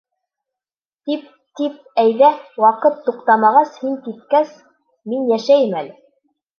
Тип, тип, әйҙә, ваҡыт туҡтамағас, һин типкәс, мин йәшәйем әле.